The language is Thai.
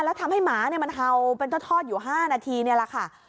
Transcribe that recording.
แล้วทำให้หมามันเห่าเป็นทอดอยู่๕นาทีนี่แหละค่ะ